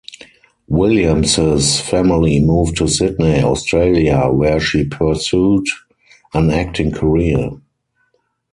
Williams' family moved to Sydney, Australia where she pursued an acting career.